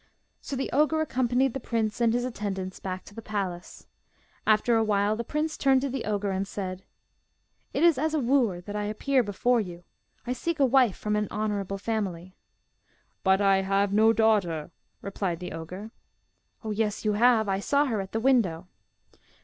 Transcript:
So the ogre accompanied the prince and his attendants back to the palace. After a while the prince turned to the ogre and said: 'It is as a wooer that I appear before you. I seek a wife from an honourable family.' 'But I have no daughter,' replied the ogre. 'Oh, yes you have, I saw her at the window.